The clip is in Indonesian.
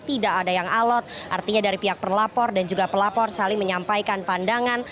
tidak ada yang alot artinya dari pihak perlapor dan juga pelapor saling menyampaikan pandangan